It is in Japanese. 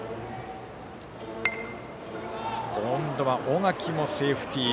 今度は小垣もセーフティー。